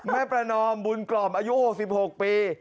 ประนอมบุญกล่อมอายุ๖๖ปี